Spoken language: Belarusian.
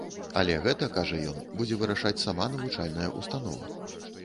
Але гэта, кажа ён, будзе вырашаць сама навучальная ўстанова.